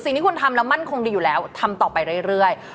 สิ่งที่คุณทำแล้วมั่นคงดีอยู่แล้วทำต่อไปเรื่อย